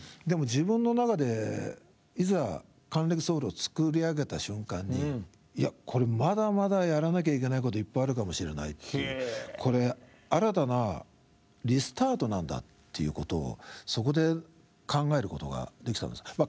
ソウルを作り上げた瞬間にいやこれまだまだやらなきゃいけないこといっぱいあるかもしれないっていうこれ新たなリスタートなんだっていうことをそこで考えることができたんです。